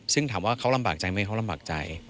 ซึ่งถามว่าเขาลำบากใจไหมเขาลำบากใจ